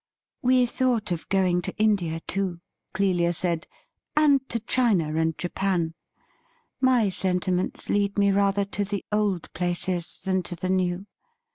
' We thought of going to India, too,' Clelia said, ' and to China and Japan. My sentiments lead me rather to the old places than to the new.